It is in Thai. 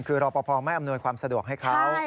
คือเราประพองแม่อำนวยความสะดวกให้เขา